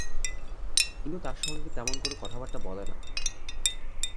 কিন্তু তাঁর সঙ্গে তেমন কোনো কথাবার্তা বলে না।